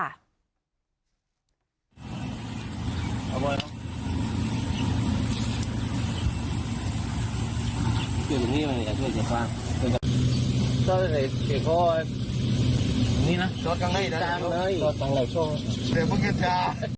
อีกแล้วอยากผ่านเมื่อไหร่นะชอตกลางนี้สินะ